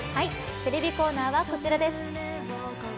テレビコーナーはこちらです。